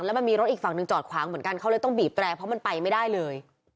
แล้วมันมีรถอีกฝั่งหนึ่งจอดขวางเหมือนกันเขาเลยต้องบีบแตรเพราะมันไปไม่ได้เลย